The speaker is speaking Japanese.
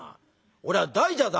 俺は大蛇だ！」。